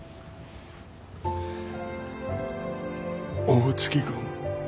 大月君。